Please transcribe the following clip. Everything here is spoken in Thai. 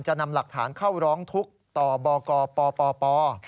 จะนำหลักฐานเข้าร้องทุกข์ต่อบกปป